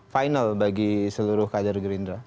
final bagi seluruh kader gerindra